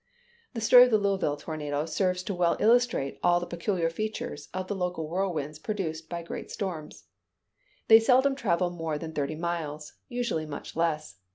The story of the Louisville tornado serves to well illustrate all the peculiar features of the local whirlwinds produced by great storms. They seldom travel more than thirty miles; usually much less.